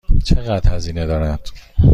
چقدر هزینه دارد؟